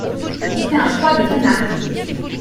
Il fait un froid de canard.